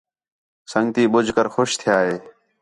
سنڳتی ٻُجھ کر خوش تِھیا ہِے